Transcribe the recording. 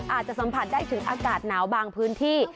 อาจจะสัมผัสได้ถึงอากาศหนาวบางพื้นที่